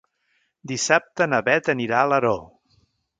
Dissabte na Beth anirà a Alaró.